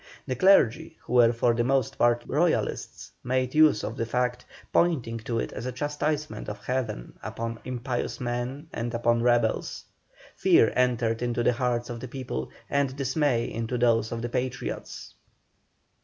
The clergy, who were for the most part Royalists, made use of the fact, pointing to it as a chastisement of Heaven upon impious men and upon rebels. Fear entered into the hearts of the people, and dismay into those of the Patriots.